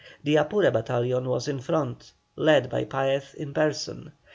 The Apure battalion was in front, led by Paez in person.